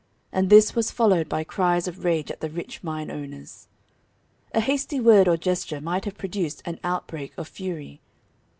And this was followed by cries of rage at the rich mine owners. A hasty word or gesture might have produced an outbreak of fury.